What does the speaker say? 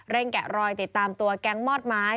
แกะรอยติดตามตัวแก๊งมอดไม้